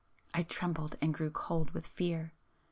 I trembled and grew cold with fear.